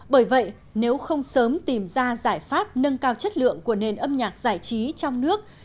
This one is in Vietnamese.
bởi vậy nếu không sớm tìm ra giải pháp nâng cao chất lượng của nền âm nhạc giải trí trong nước